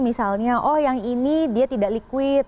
misalnya oh yang ini dia tidak liquid